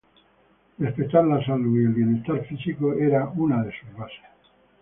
Respetar la salud y el bienestar físico era una de sus bases.